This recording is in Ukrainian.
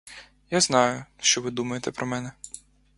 Я знаю, що ви думаєте про мене.